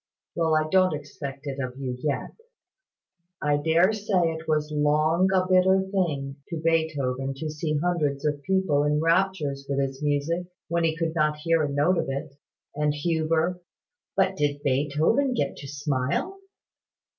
Well, I don't expect it of you yet. I dare say it was long a bitter thing to Beethoven to see hundreds of people in raptures with his music, when he could not hear a note of it. And Huber " "But did Beethoven get to smile?"